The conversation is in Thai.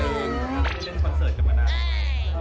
ได้เล่นสวารสเนทกับมันนาน